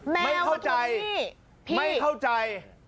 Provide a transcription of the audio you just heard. ไม่เข้าใจ